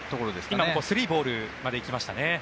今、３ボールまで行きましたね。